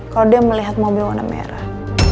kalau dia melihat mobil warna merah